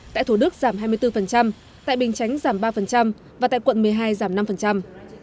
tại thủ đức giảm hai mươi bốn tại bình chánh giảm ba và tại quận một mươi hai giảm năm